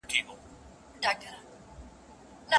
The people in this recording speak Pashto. که څوک دا مهم توپیر ونه پېژني نو خاماخا به تېروتنه وکړي.